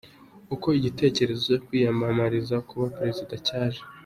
Uko igitekerezo cyo kwiyamamariza kuba Perezida cyaje